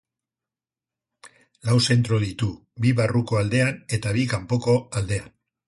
Lau zentro ditu, bi barruko aldean eta bi kanpoko aldean.